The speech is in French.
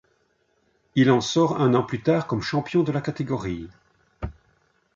Il en sort un an plus tard comme champion de la catégorie.